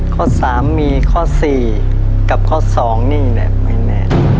ข้อสามมีข้อสี่กับข้อสองนี่แหละไม่แน่